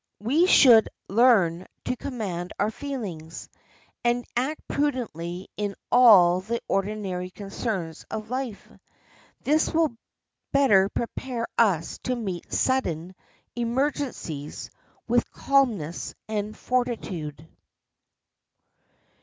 We should learn to command our feelings, and act prudently in all the ordinary concerns of life. This will better prepare us to meet sudden emergencies with calmness and fortitude.